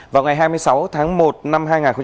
vào ngày hai mươi sáu tháng một năm hai nghìn một mươi chín